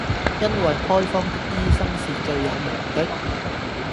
因爲開方的醫生是最有名的，